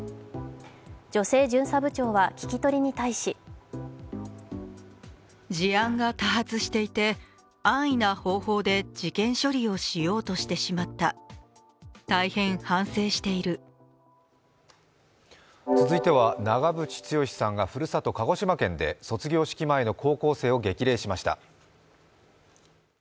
女性巡査部長は聞き取りに対し続いては、長渕剛さんがふるさと・鹿児島県で卒業式前の高校生を激励しました。